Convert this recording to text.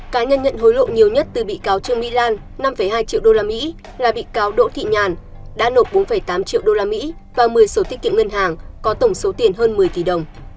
cá nhân nhận hối lộ nhiều nhất từ bị cáo trương mỹ lan năm hai triệu usd là bị cáo đỗ thị nhàn đã nộp bốn tám triệu usd và một mươi sổ tiết kiệm ngân hàng có tổng số tiền hơn một mươi tỷ đồng